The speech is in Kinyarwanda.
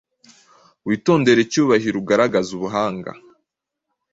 Witondere icyubahirougaragaze ubuhanga